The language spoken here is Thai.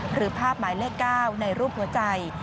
หรือภาพหมายเลข๙ในรูปหัวใจ